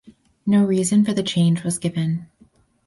No reason for the change was given.